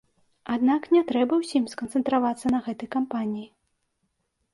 Аднак, не трэба ўсім сканцэнтравацца на гэтай кампаніі.